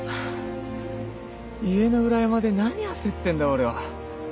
家の裏山で何焦ってんだ俺は。